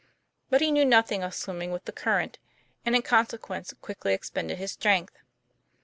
But he knew nothing of swim ming with the current, and, in consequence, quickly expended his strength.